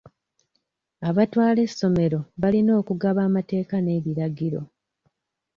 Abatwala essomero balina okubaga amateeka n'ebiragiro.